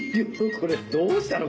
これどうしたの？